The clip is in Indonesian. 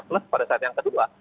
plus pada saat yang kedua